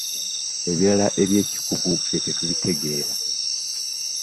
Ebirala eby'ekikugu ffe tetubitegeera.